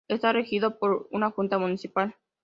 Está regido por una Junta Municipal.